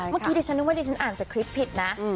เมื่อกี้ดิฉันนึกว่าอ่านสคริปต์ผิดนะ